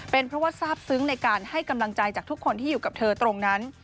เป็นเพราะว่าทราบซึ้งในการให้กำลังใจจากทุกคนที่อยู่กับเธอตรงนั้น